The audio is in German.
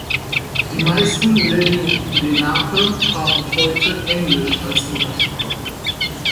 Die meisten Lenni Lenape haben heute Englisch als Muttersprache.